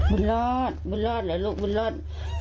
บุญรอดบุญรอดเหรอลูกบุญรอด